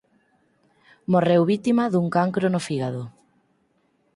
Morreu vítima dun cancro no fígado.